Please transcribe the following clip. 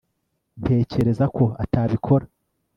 ntekereza ko atabikora